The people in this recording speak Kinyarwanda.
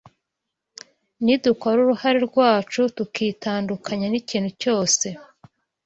nidukora uruhare rwacu tukitandukanya n’ikintu cyose